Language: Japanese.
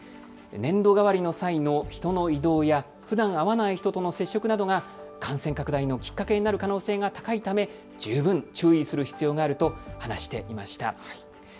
年度替わりの際の人の移動や、ふだん会わない人との接触などが感染拡大のきっかけになる可能性が高いため十分、注意する必要があると話していました。